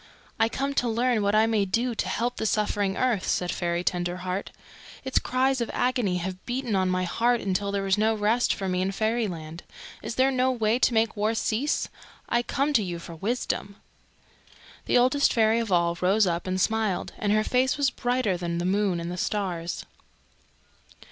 "I come to learn what I may do to help the suffering earth," said Fairy Tenderheart. "Its cries of agony have beaten on my heart until there was no rest for me in Fairyland. Is there no way to make war cease? I come to you for wisdom." The Oldest Fairy of All rose up and smiled, and her face was brighter than the moon and stars.